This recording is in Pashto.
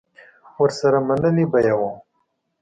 ورسره منلې به یې وه.